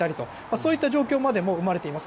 そういった状況までも生まれています。